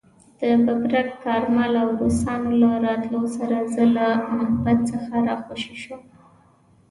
د ببرک کارمل او روسانو له راتلو سره زه له محبس څخه راخوشي شوم.